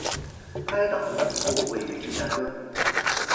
该党的总部位于芝加哥。